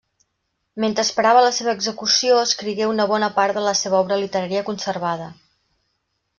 Mentre esperava la seva execució escrigué una bona part de la seva obra literària conservada.